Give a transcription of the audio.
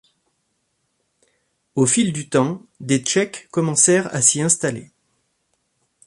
Au fil du temps, des Tchèques commencèrent à s’y installer.